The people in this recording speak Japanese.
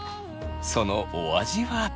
そのお味は？